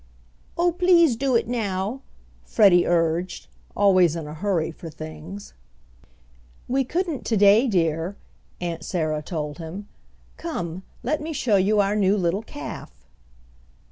"Oh, please do it now," Freddie urged, always in a hurry for things. "We couldn't to day, dear," Aunt Sarah told him. "Come, let me show you our new little calf."